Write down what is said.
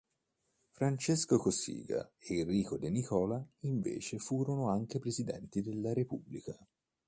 Francesco Cossiga e Enrico De Nicola invece furono anche presidenti della Repubblica.